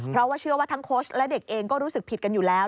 เพราะว่าเชื่อว่าทั้งโค้ชและเด็กเองก็รู้สึกผิดกันอยู่แล้ว